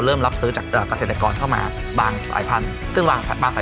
เราต้องศึกษาทุกอย่าง